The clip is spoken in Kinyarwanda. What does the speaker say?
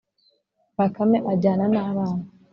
bakame ajyana n’abana